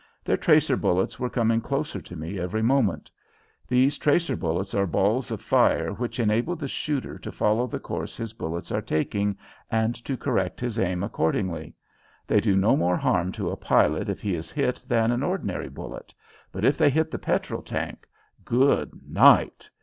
Their tracer bullets were coming closer to me every moment. These tracer bullets are balls of fire which enable the shooter to follow the course his bullets are taking and to correct his aim accordingly. They do no more harm to a pilot if he is hit than an ordinary bullet, but if they hit the petrol tank, good night!